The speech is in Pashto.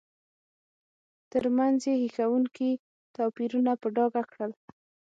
ترمنځ یې هیښوونکي توپیرونه په ډاګه کړل.